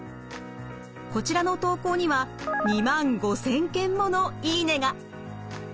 こちらの投稿には２万５，０００件もの「いいね」が。